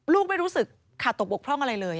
ไม่รู้สึกขาดตกบกพร่องอะไรเลย